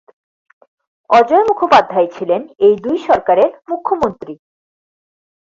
অজয় মুখোপাধ্যায় ছিলেন এই দুই সরকারের মুখ্যমন্ত্রী।